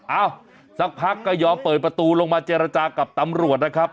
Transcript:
เอ้าสักพักก็ยอมเปิดประตูลงมาเจรจากับตำรวจนะครับ